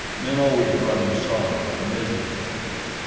Men always brought him sorrow and misery.